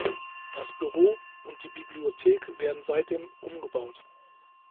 Das Büro und die Bibliothek werden seitdem umgebaut.